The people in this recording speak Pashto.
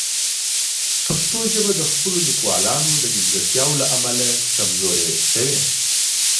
پښتو ژبه د خپلو لیکوالانو د نیمګړتیاوو له امله کمزورې شوې.